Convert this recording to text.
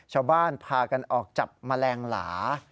ชาวบ้านพากันออกจับแมลงหลา